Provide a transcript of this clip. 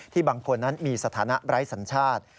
บางคนนั้นมีสถานะไร้สัญชาติ